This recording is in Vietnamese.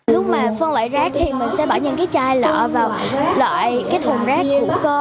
lúc mà phân loại rác thì mình sẽ bỏ những cái chai lọ vào loại cái thùng rác của cơ